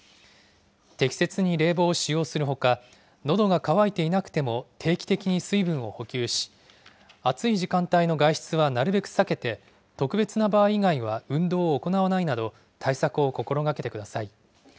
適切に冷房を使用するほか、のどが渇いていなくても定期的に水分を補給し、暑い時間帯の外出はなるべく避けて、特別な場合以外は運動を行わないなど、対策を心がけてください。